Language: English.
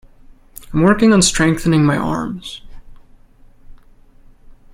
I'm working on strengthening my arms.